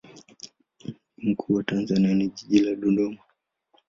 Mji mkuu wa Tanzania ni jiji la Dodoma.